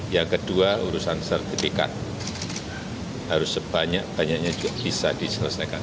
yang kedua urusan sertifikat harus sebanyak banyaknya juga bisa diselesaikan